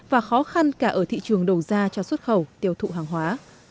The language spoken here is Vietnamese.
và khó khăn cả ở thị trường đầu ra cho xuất khẩu tiêu thụ hàng hóa